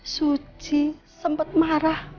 suci sempat marah